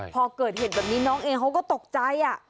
พอเกิดเหตุแบบนี้น้องเองเขาก็ตกใจ